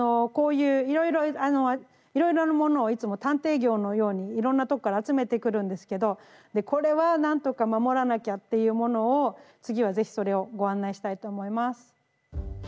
こういういろいろなものをいつも探偵業のようにいろんなとこから集めてくるんですけどでこれは何とか守らなきゃっていうものを次は是非それをご案内したいと思います。